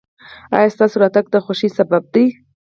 ایا ستاسو راتګ د خوښۍ سبب دی؟